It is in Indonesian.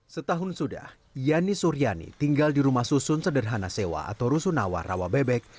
setahun sudah yani suryani tinggal di rumah susun sederhana sewa atau rusunawa rawa bebek